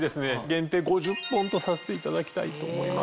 限定５０本とさせていただきたいと思います。